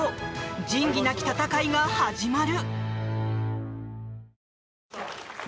仁義なき戦いが始まる。